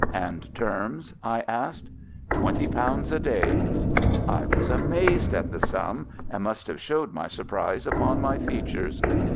"And terms?" I asked. "Twenty pounds a day." I was amazed at the sum, and must have showed my surprise upon my features.